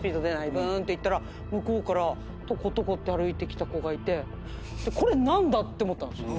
ブーンって行ったら向こうからとことこって歩いてきた子がいてこれ何だ？って思ったんです。